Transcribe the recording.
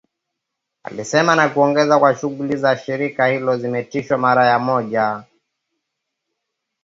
alisema na kuongeza kuwa shughuli za shirika hilo zimesitishwa mara moja